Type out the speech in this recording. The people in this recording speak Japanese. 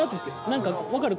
何か分かる？